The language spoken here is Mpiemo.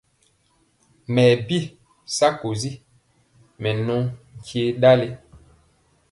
Mɛ bi sakoso, mɛ nɔ nkye ɗali.